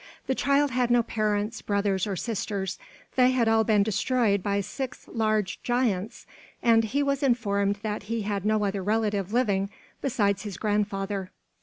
The child had no parents, brothers, or sisters; they had all been destroyed by six large giants, and he was informed that he had no other relative living besides his grandfather.